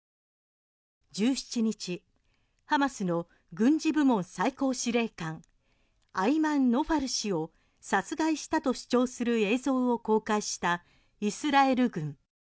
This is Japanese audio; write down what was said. １７日ハマスの軍事部門最高司令官アイマン・ノファル氏を殺害したと主張する映像を公開したイスラエル軍。